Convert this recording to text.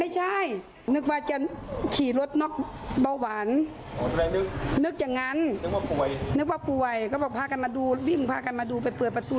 สภาพยังไง